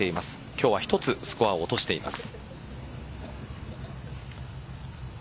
今日は１つスコアを落としています。